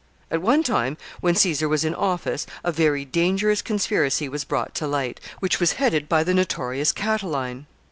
At one time, when Caesar was in office, a very dangerous conspiracy was brought to light, which was headed by the notorious Catiline.